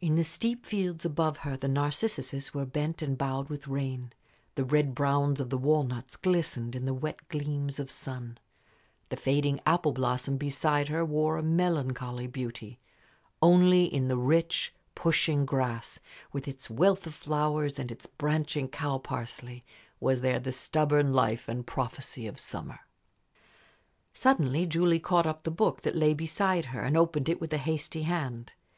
In the steep fields above her the narcissuses were bent and bowed with rain; the red browns of the walnuts glistened in the wet gleams of sun; the fading apple blossom beside her wore a melancholy beauty; only in the rich, pushing grass, with its wealth of flowers and its branching cow parsley, was there the stubborn life and prophecy of summer. Suddenly Julie caught up the book that lay beside her and opened it with a hasty hand.